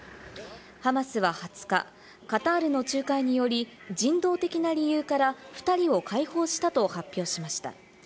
ハマスは２０日、カタールの仲介により人道的な理由から２人を解放したと発表しました。